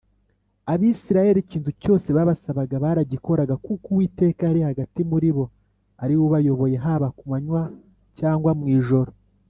Abisirayeli ikintu cyose babasabaga baragikoraga kuko Uwiteka yari hagati muribo ariwe ubayoboye haba kumanywa cyangwa mu ijoro.